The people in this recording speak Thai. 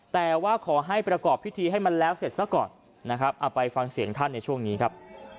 แต่ว่าขอให้ประกอบพิธีให้มันแล้วเสร็จซะก่อนนะครับเอาไปฟังเสียงท่านในช่วงนี้ครับ